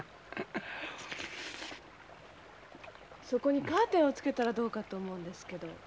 そこにカーテンを付けたらどうかと思うんですけど。